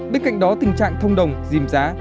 bên cạnh đó tình trạng thông đồng dìm giá